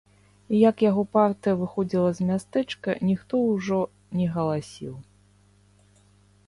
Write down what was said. Як яго партыя выходзіла з мястэчка, ніхто ўжо не галасіў.